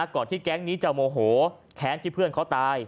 แก๊งที่แก๊งนี้จะโมโหแค้นที่เพื่อนเขาตาย